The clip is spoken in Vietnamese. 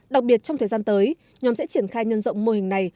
đặc biệt trong thời gian tới nhóm sẽ triển khai nhân rộng mô hình này